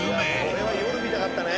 これは夜見たかったね。